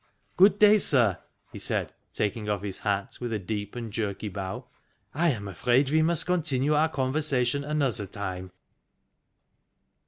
Good day, sir," he said, taking off his hat with a deep and jerky bow. " I am afraid we must continue our conversation another time."